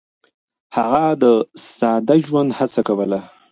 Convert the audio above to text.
هغه د ساده ژوند هڅه کوله.